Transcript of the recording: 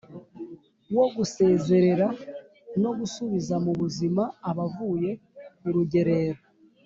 wo gusezerera no gusubiza mu buzima abavuye kurugerero